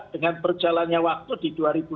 dengan perjalannya waktu di dua ribu dua puluh satu